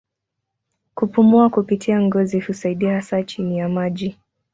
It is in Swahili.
Kupumua kupitia ngozi husaidia hasa chini ya maji.